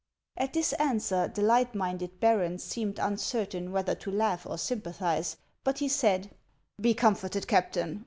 At this answer the light minded baron seemed uncer tain whether to laugh or sympathize ; but he said: " P>e comforted, Captain.